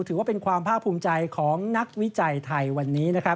ถือว่าเป็นความภาคภูมิใจของนักวิจัยไทยวันนี้นะครับ